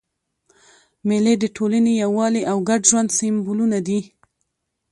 مېلې د ټولني د یووالي او ګډ ژوند سېمبولونه دي.